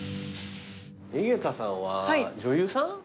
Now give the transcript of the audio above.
井桁さんは女優さん？